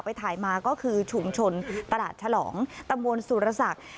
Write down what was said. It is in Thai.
ไปถ่ายมาก็คือชุมชนตลาดฉลองตำบลสุรศักดิ์